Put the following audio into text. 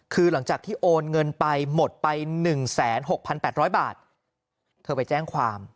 คือหลังจากที่โอนเงินไปหมดไปหนึ่งแสนหกพันแปดร้อยบาทเธอไปแจ้งความ